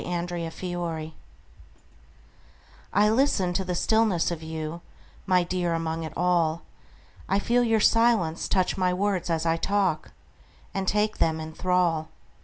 Listening I LISTEN to the stillness of you, My dear, among it all;I feel your silence touch my words as I talk, And take them in thrall.